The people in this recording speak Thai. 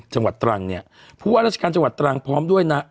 จังหวัดตรังเนี่ยผู้ว่าราชการจังหวัดตรังพร้อมด้วยนะ